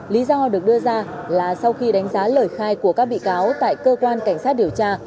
lý do được đưa ra là sau khi đánh giá lời khai của các bị cáo tại cơ quan cảnh sát điều tra